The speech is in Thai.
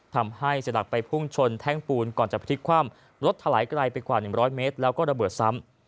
ทำให้เสียหลักไปพุ่งชนแท่งปูนก่อนจะพลิกคว่ำรถถลายไกลไปกว่า๑๐๐เมตรแล้วก็ระเบิดซ้ำ